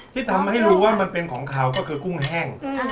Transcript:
ที่ทำให้รู้ว่ามันเป็นของเขาก็คือกุ้งแห้ง